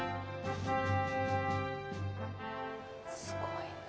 すごいな。